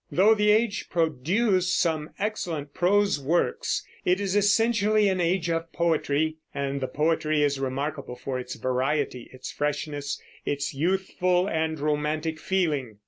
Though the age produced some excellent prose works, it is essentially an age of poetry; and the poetry is remarkable for its variety, its freshness, its youthful and romantic feeling.